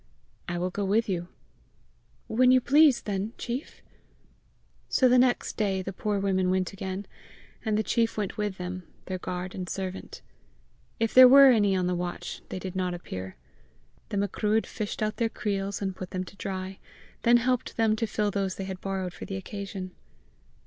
"I will go with you." "When you please, then, chief." So the next day the poor women went again, and the chief went with them, their guard and servant. If there were any on the watch, they did not appear. The Macruadh fished out their creels, and put them to dry, then helped them to fill those they had borrowed for the occasion.